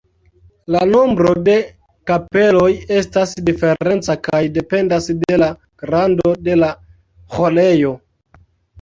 La nombro de kapeloj estas diferenca kaj dependas de la grando de la ĥorejo.